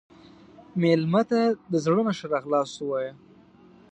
مېلمه ته د زړه نه ښه راغلاست ووایه.